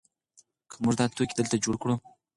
که موږ دا توکي دلته جوړ کړو.